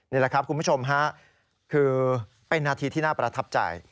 นี่แหละครับคุณผู้ชมฮะคือเป็นนาทีที่น่าประทับใจ